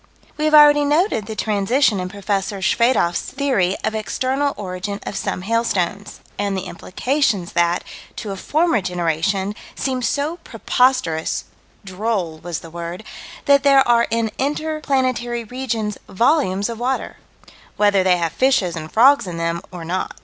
We have already noted the transition in Prof. Schwedoffs theory of external origin of some hailstones and the implications that, to a former generation, seemed so preposterous "droll" was the word that there are in inter planetary regions volumes of water whether they have fishes and frogs in them or not.